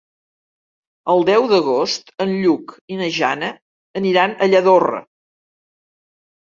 El deu d'agost en Lluc i na Jana aniran a Lladorre.